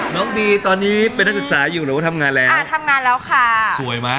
น้องบีตอนนี้เป็นนักศึกษาอยู่หรือทำงานแล้ว